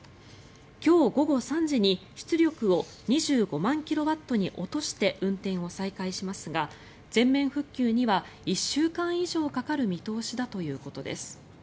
今日午後３時に、出力を２５万キロワットに落として運転を再開しますが全面復旧には１週間以上かかる見通しだということです。